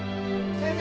先生